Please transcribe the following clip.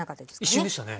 一瞬でしたね。